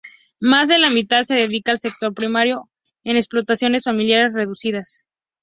Más de la mitad se dedica al sector primario en explotaciones familiares reducidas.